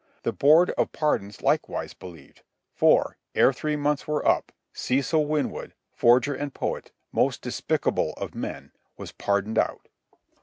The Board of Pardons likewise believed, for, ere three months were up, Cecil Winwood, forger and poet, most despicable of men, was pardoned out.